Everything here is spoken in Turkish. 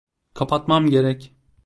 Kapatmam gerek.